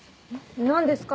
何ですか？